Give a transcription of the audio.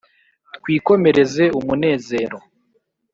twikomereze umunezero;